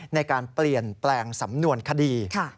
ในการเปลี่ยนแปลงสำนวนคดี